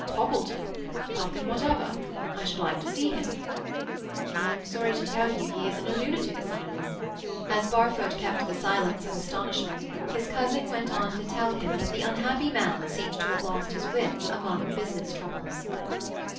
"Poppleton? Nothing whatever. I should like to see him." "I'm sorry to tell you he is in a lunatic asylum." As Barfoot kept the silence of astonishment, his cousin went on to tell him that the unhappy man seemed to have lost his wits among business troubles.